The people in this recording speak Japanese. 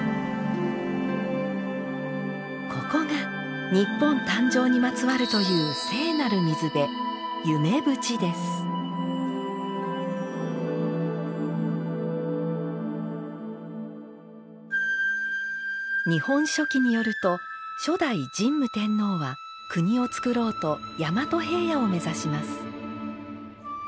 ここが日本誕生にまつわるという聖なる水辺「日本書紀」によると初代神武天皇は国をつくろうと大和平野を目指します。